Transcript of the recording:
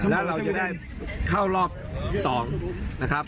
แล้วเราจะได้เข้ารอบ๒นะครับ